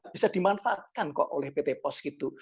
bisa dimanfaatkan kok oleh pt pos gitu